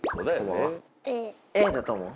Ａだと思う？